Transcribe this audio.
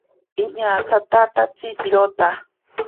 Iñatatatsi pirota.